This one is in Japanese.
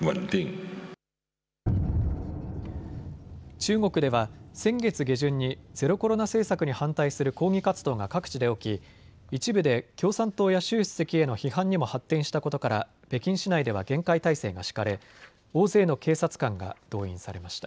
中国では先月下旬にゼロコロナ政策に反対する抗議活動が各地で起き、一部で共産党や習主席への批判にも発展したことから北京市内では厳戒態勢が敷かれ大勢の警察官が動員されました。